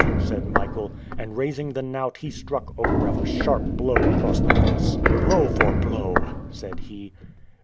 said Michael. And raising the knout he struck Ogareff a sharp blow across the face. "Blow for blow!" said he.